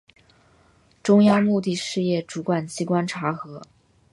中央目的事业主管机关查核